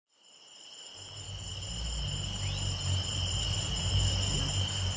dia sudah berusaha mengulang dari rokatan bahwa future itu rebellion su reduh